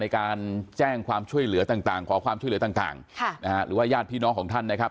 การแจ้งความช่วยเหลือต่างขอความช่วยเหลือต่างหรือว่าญาติพี่น้องของท่านนะครับ